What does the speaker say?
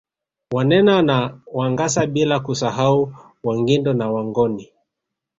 Wanena na Wangasa bila kusahau Wangindo na Wangoni